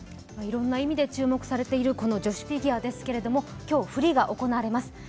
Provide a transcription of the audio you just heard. いろんな意味で注目されている女子フィギュアですけれども、今日、フリーが行われます。